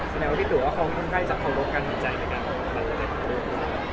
เข้ารู้ที่ตู่ว่าเขาคงได้จะเคารกกันอยู่ในใจสินใจของกัน